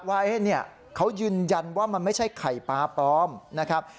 ว่าเขายืนยันว่ามันไม่ใช่ไข่ปลาปลอมนะครับ